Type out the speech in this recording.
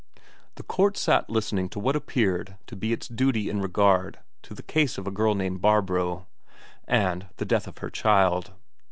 The court sat listening to what appeared to be its duty in regard to the case of a girl named Barbro, and the death of her child.